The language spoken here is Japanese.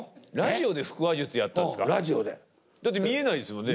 だって見えないですもんね。